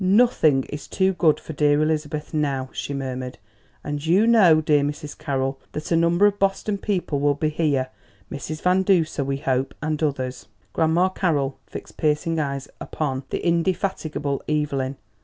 "Nothing is too good for dear Elizabeth now," she murmured, "and you know, dear Mrs. Carroll, that a number of Boston people will be here Mrs. Van Duser, we hope, and others." Grandma Carroll fixed piercing eyes upon the indefatigable Evelyn.